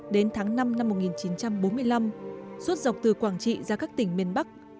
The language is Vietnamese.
đến tháng năm năm một nghìn chín trăm bốn mươi năm suốt dọc từ quảng trị ra các tỉnh miền bắc